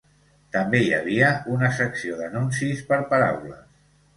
També hi havia una secció d'anuncis per paraules.